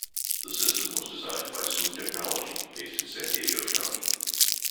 The system was designed by Swoop Technology, based in San Diego County.